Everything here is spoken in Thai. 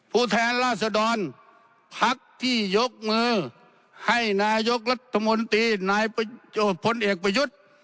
ผู้แทนราษดรพักที่ยกมือให้นายกรัฐมนตรีนายพลเอกประยุทธ์